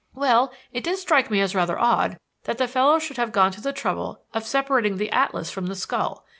"Well, it did strike me as rather odd that the fellow should have gone to the trouble of separating the atlas from the skull.